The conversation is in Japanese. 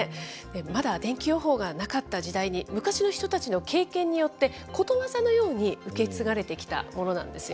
まだ天気予報がなかった時代に、昔の人たちの経験によって、ことわざのように受け継がれてきたものなんですよ。